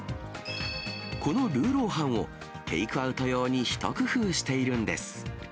このルーローハンをテイクアウト用に一工夫しているんです。